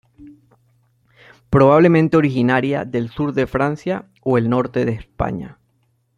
Probablemente originaria del sur de Francia o el norte de España.